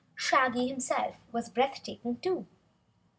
Shaggy himself was breath taking, too.